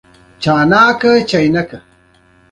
هر سهار نوی پیل دی